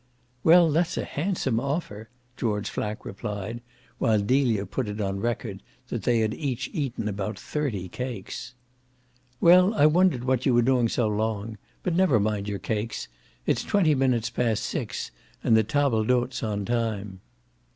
"Well, that's a handsome offer," George Flack replied while Delia put it on record that they had each eaten about thirty cakes. "Well, I wondered what you were doing so long. But never mind your cakes. It's twenty minutes past six, and the table d'hote's on time."